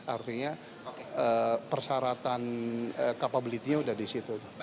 artinya persyaratan capability nya sudah di situ